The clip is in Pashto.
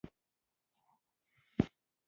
کله چې ما دا کتاب وليده